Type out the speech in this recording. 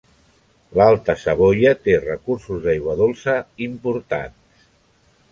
L'Alta Savoia té recursos d'aigua dolça importants.